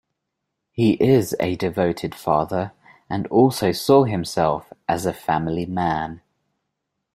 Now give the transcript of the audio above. He is a devoted father and also saw himself as a family man.